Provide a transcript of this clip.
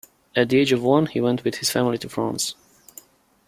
At the age of one, he went with his family to France.